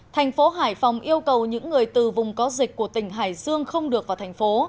thành phố hải phòng yêu cầu những người từ vùng có dịch của tỉnh hải dương không được vào thành phố